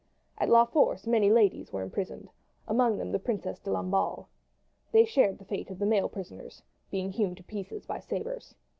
At La Force many ladies were imprisoned, among them the Princess de Lamballe. They shared the fate of the male prisoners, being hewn to pieces by sabres.